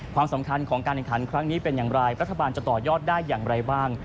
ความสำคัญของการแข่งขันครั้งนี้เป็นอย่างไรรัฐบาลจะต่อยอดได้อย่างไรบ้าง